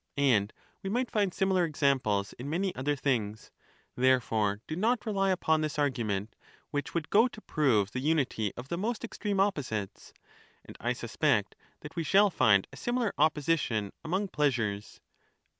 And we might find similar examples in many other things ; therefore do not rely upon this argument, which would go to prove the unity of the most extreme opposites. And I suspect that we shall find a similar opposition among pleasures.